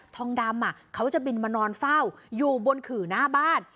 ทองดำเขาจะบินมานอนเฝ้าอยู่บนขื่อหน้าบ้าน